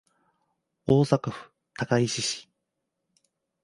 大阪府高石市